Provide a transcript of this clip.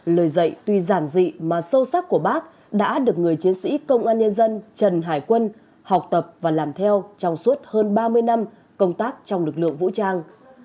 lời dạy tuy giản dị mà sâu sắc của bác đã được người chiến sĩ công an nhân dân trần hải quân học tập và làm theo trong suốt hơn ba mươi năm công tác trong lực lượng vũ trang